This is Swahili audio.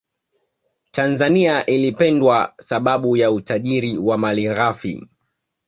tanzania ilipendwa sababu ya utajiri wa mali ghafi